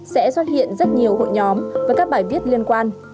sẽ xuất hiện rất nhiều hội nhóm với các bài viết liên quan